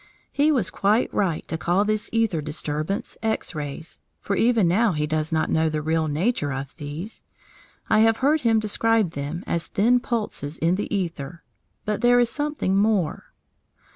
He was quite right to call this æther disturbance "X rays," for even now he does not know the real nature of these. I have heard him describe them as thin pulses in the æther, but there is something more.